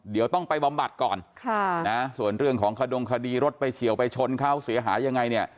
เดี๋ยวต้องไปบำบัดก่อนส่วนเรื่องของขดงคดีรถไปเฉียวไปชนเขาเสียหายยังไงเนี่ย